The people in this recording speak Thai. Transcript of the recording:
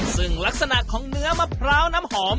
ซึ่งลักษณะของเนื้อมะพร้าวน้ำหอม